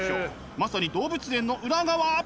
まさに動物園の裏側！